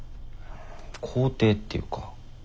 肯定っていうか。